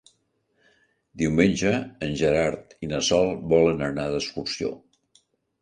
Diumenge en Gerard i na Sol volen anar d'excursió.